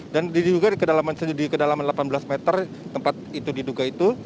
dan di kedalaman delapan belas meter tempat itu diduga itu